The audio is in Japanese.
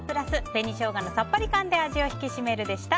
紅ショウガのさっぱり感で味を引きしめるでした。